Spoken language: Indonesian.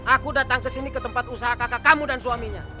aku datang ke sini ke tempat usaha kakak kamu dan suaminya